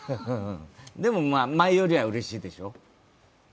でもまあ、前よりはうれしいでしょう？